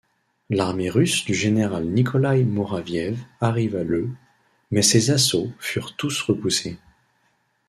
L'armée russe du général Nikolaï Mouraviev arriva le mais ses assauts furent tous repoussés.